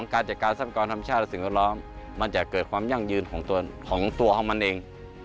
การจัดการทรัพยากรธรรมชาติและสิ่งแวดล้อมมันจะเกิดความยั่งยืนของตัวของมันเอง